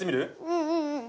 うんうんうん。